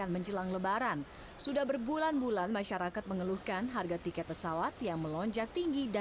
bagaimana harga tiket pesawat